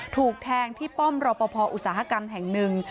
ถูกแทงที่ป้อมรอปภอุตสาหกรรมแห่งหนึ่ง